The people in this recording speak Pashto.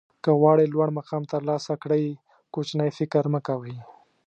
که غواړئ لوړ مقام ترلاسه کړئ کوچنی فکر مه کوئ.